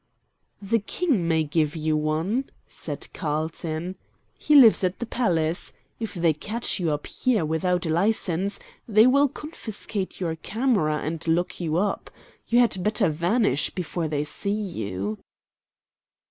"The King may give you one," said Carlton. "He lives at the palace. If they catch you up here without a license, they will confiscate your camera and lock you up. You had better vanish before they see you."